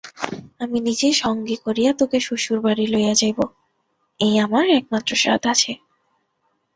আমি নিজে সঙ্গে করিয়া তােকে শ্বশুরবাড়ি লইয়া যাইব, এই আমার একমাত্র সাধ আছে!